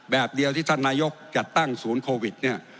แบบเดียวที่ท่านนายกจัดตั้งศูนย์โควิดเนี่ย